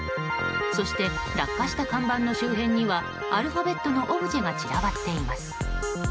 そして落下した看板の周辺にはアルファベットのオブジェが散らばっています。